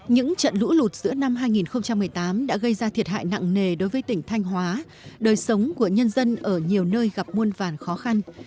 những trận lũ lụt giữa năm hai nghìn một mươi tám đã gây ra thiệt hại nặng nề đối với tỉnh thanh hóa đời sống của nhân dân ở nhiều nơi gặp muôn vàn khó khăn